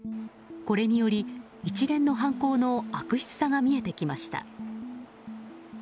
これにより、一連の犯行の悪質さが見えてきました。